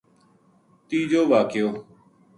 تیجو واقعو